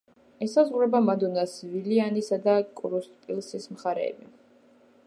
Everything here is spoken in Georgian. ესაზღვრება მადონას, ვილიანის და კრუსტპილსის მხარეები.